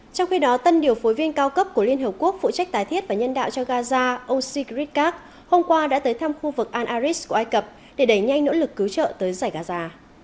trong khi đó tân điều phối viên cao cấp của liên hợp quốc phụ trách tái thiết và nhân đạo cho gaza ông sigrid kaak hôm qua đã tới thăm khu vực al aris của ai cập để đẩy nhanh nỗ lực cứu trợ tới giải gaza